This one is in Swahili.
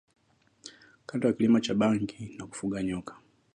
Kando na kilimo cha bangi na kufuga nyoka